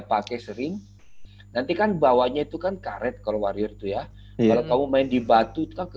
pakai sering nanti kan bawahnya itu kan karet kalau warrior tuh ya kalau kamu main di batu itu ke